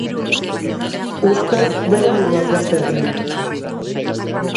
Ustez, bere buruaz beste egin du.